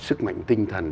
sức mạnh tinh thần